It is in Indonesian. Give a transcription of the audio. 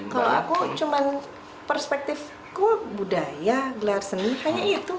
kalau aku cuma perspektifku budaya gelar seni hanya itu